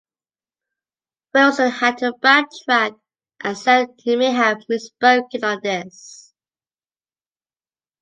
Wilson had to backtrack and said he may have "misspoken" on this.